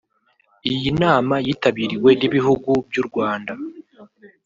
Iyi nama yitabiriwe n’ibihugu by’u Rwanda